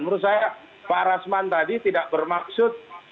menurut saya pak rasman tadi tidak bermaksud